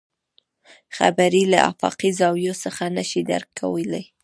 خبرې له افاقي زاويو څخه نه شي درک کولی.